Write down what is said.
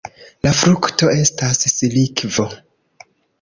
La frukto estas silikvo.